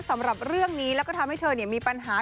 สำหรับเรื่องนี้แล้วก็ทำให้เธอมีปัญหา